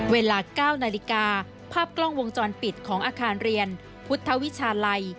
เวลา๙นาฬิกาภาพกล้องวงจรปิดของอาคารเรียนพุทธวิชาลัย